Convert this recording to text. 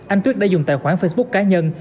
anh tuyết đã dùng tài khoản facebook cá nhân